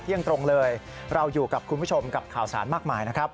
เที่ยงตรงเลยเราอยู่กับคุณผู้ชมกับข่าวสารมากมายนะครับ